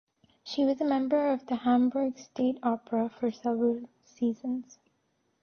She was a member of the Hamburg State Opera for several seasons.